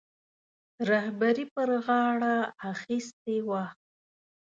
رهبري پر غاړه اخیستې وه.